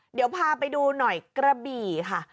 เดี๋ยวพาไปดูหน่อยกระบี่ค่ะ